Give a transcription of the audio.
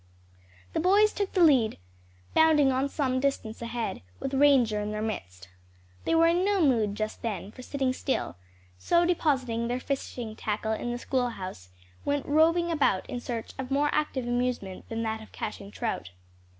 The boys took the lead, bounding on some distance ahead, with Ranger in their midst. They were in no mood just then for sitting still, so depositing their fishing tackle in the schoolhouse, went roving about in search of more active amusement than that of catching trout.